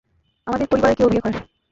আমাদের পরিবারের কেউ বিয়ে করেনি।